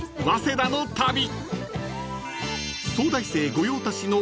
早稲田の旅］